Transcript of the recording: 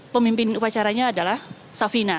pemimpin upacaranya adalah safina